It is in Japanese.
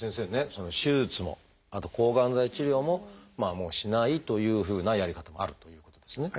その手術もあと抗がん剤治療ももうしないというふうなやり方もあるということですね。